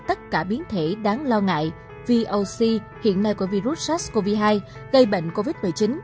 tất cả biến thể đáng lo ngại voc hiện nay có virus sars cov hai gây bệnh covid một mươi chín